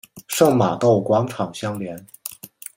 圣玛窦广场相连。